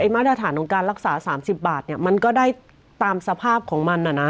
มาตรฐานของการรักษา๓๐บาทมันก็ได้ตามสภาพของมัน